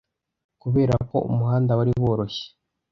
Kubera ko umuhanda wari woroshye,